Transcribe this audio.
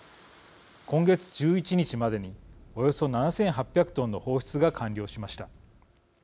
今月１１日までにおよそ７８００トンの放出が完了しました。